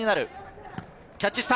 キャッチした！